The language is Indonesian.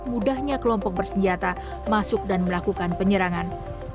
mudahnya kelompok bersenjata masuk dan melakukan penyerangan